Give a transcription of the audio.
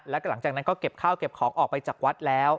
แล้วก็หลังจากนั้นก็เก็บข้าวเก็บของออกไปจากวัดแล้ว